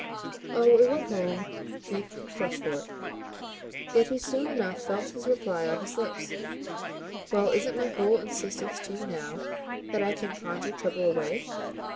Oh it went home, making him flush for it; yet he soon enough felt his reply on his lips. "Well, isn't my whole insistence to you now that I can conjure trouble away?"